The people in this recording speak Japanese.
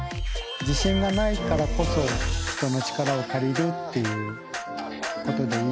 自信がないからこそ人の力を借りるっていうことでいいのかな。